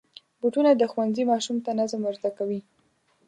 بوټونه د ښوونځي ماشوم ته نظم ور زده کوي.